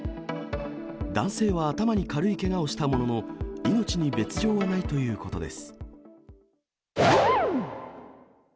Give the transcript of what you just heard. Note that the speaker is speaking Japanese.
男性は頭に軽いけがをしたものの、命に別状はないということです。